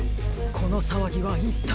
このさわぎはいったい。